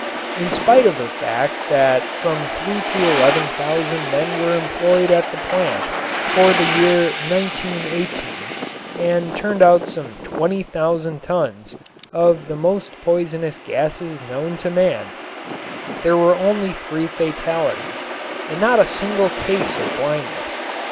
In spite of the fact that from three to eleven thousand men were employed at the plant for the year 1918 and turned out some twenty thousand tons of the most poisonous gases known to man, there were only three fatalities and not a single case of blindness.